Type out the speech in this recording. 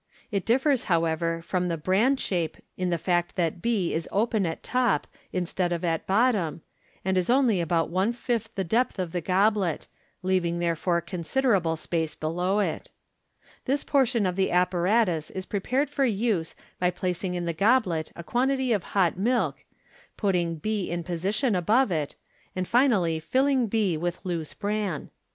It differs, however, from the " bran shape" in the fact that b is open at top instead of at bottom, and is only about one fifth the depth of the goblet, leaving therefore considerable space below it. This portion of the appa ratus is prepared for use by placing in the goblet a quantity of hot n>ilk, putting b in position above it, and finally filling b with loose bran. MODERN MAGIC. 389 Fig. 222.